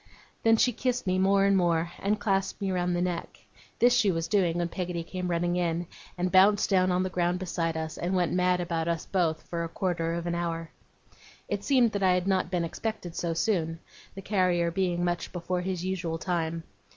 Then she kissed me more and more, and clasped me round the neck. This she was doing when Peggotty came running in, and bounced down on the ground beside us, and went mad about us both for a quarter of an hour. It seemed that I had not been expected so soon, the carrier being much before his usual time.